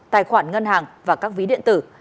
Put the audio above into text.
tài khoản ngân hàng và các ví điện tử